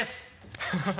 ハハハ